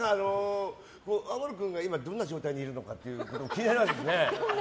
天野君が今どんな状態でいるのか気になりますね。